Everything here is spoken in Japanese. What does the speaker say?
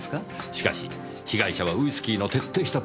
しかし被害者はウイスキーの徹底したプロですよ。